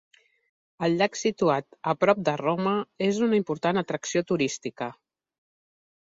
El llac, situat a prop de Roma, és una important atracció turística.